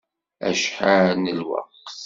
Acḥal n lweqt?